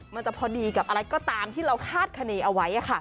มันจะพอดีกับอะไรก็ตามที่เราคาดคณีเอาไว้